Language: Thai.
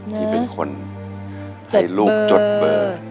ที่เป็นคนให้ลูกจดเบอร์